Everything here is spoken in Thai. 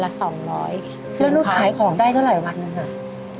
แล้วนูสถ่ายของได้เท่าไหร่วันนึง